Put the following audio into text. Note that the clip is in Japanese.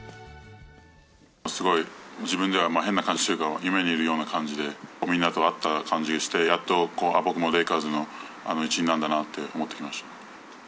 すごい自分では変な感じというか、夢にいるような感じで、みんなと会った感じがして、やっと僕もレイカーズの一員なんだなって思ってきました。